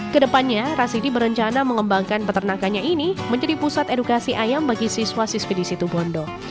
kedepannya rasidi berencana mengembangkan peternakannya ini menjadi pusat edukasi ayam bagi siswa siswi di situ bondo